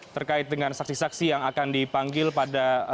terkait dengan saksi saksi yang akan dipanggil pada